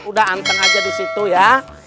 udah anteng aja disitu ya